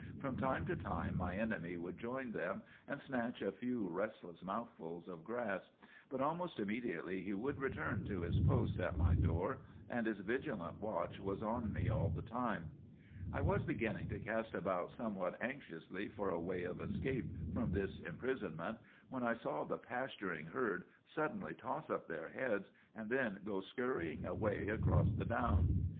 From time to time my enemy would join them, and snatch a few restless mouthfuls of grass. But almost immediately he would return to his post at my door, and his vigilant watch was on me all the time. "I was beginning to cast about somewhat anxiously for a way of escape from this imprisonment, when I saw the pasturing herd suddenly toss up their heads, and then go scurrying away across the down.